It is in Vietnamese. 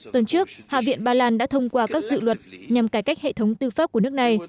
tuần trước hạ viện ba lan đã thông qua các dự luật nhằm cải cách hệ thống tư pháp của nước này